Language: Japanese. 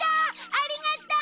ありがとう！